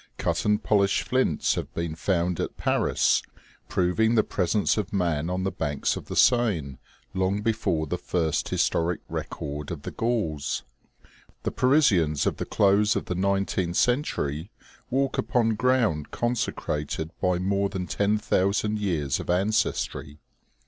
Cut and polished flints have been found at Paris, proving the presence of man on the banks of the Seine long before the first historic record of the Gauls. The Parisians of the close of the nineteenth cen tury walk upon ground consecrated by more than ten thousand years of ancestry.